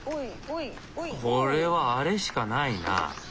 これはあれしかないな。